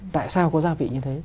tại sao có gia vị như thế